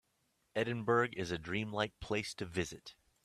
Edinburgh is a dream-like place to visit.